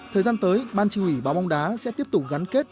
thời gian tới ban chính ủy báo mông đá sẽ tiếp tục gắn kết